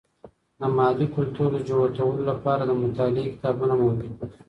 د محلي کلتور د جوتولو لپاره د مطالعې کتابونه موجود دي.